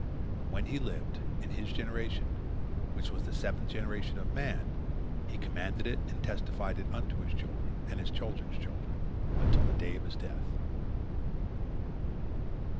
When he lived, in his generation, which was the seventh generation of man, he commanded it and testified it unto his children and his children's children, until the day of his death."